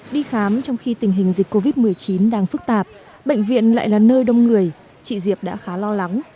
đi khám trong khi tình hình dịch covid một mươi chín đang phức tạp bệnh viện lại là nơi đông người chị diệp đã khá lo lắng